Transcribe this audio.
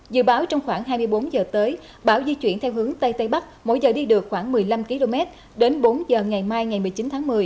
dự báo trong khoảng hai mươi bốn giờ tới bão di chuyển theo hướng tây tây bắc mỗi giờ đi được khoảng một mươi năm km đến bốn giờ ngày mai ngày một mươi chín tháng một mươi